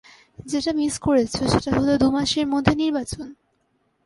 যেটা মিস করেছ সেটা হলো দু মাসের মধ্যে নির্বাচন।